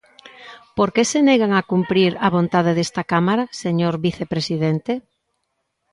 ¿Por que se negan a cumprir a vontade desta cámara, señor vicepresidente?